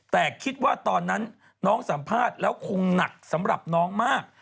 แต่คิดว่าตอนนั้นน้องสัมภาษณ์แล้วคงหนักสำหรับน้องมาก